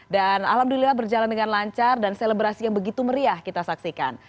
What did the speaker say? dan alhamdulillah berjalan dengan lancar dan selebrasi yang begitu meriah kita saksikan